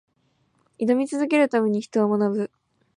挑み続けるために、人は学ぶ。